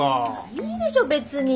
いいでしょ別に。